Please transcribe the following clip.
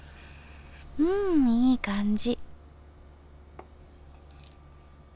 うんいい感じ。